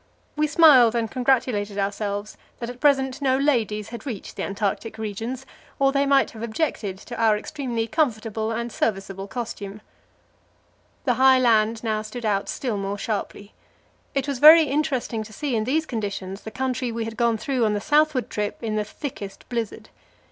We smiled and congratulated ourselves that at present no ladies had reached the Antarctic regions, or they might have objected to our extremely comfortable and serviceable costume. The high land now stood out still more sharply. It was very interesting to see in these conditions the country we had gone through on, the southward trip in the thickest blizzard.